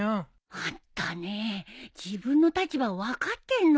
あんたね自分の立場を分かってんの？